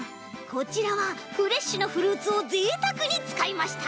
こちらはフレッシュなフルーツをぜいたくにつかいました。